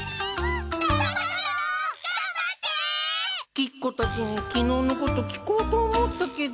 きっこたちに昨日のこと聞こうと思ったけど